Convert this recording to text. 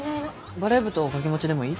バレー部と掛け持ちでもいい？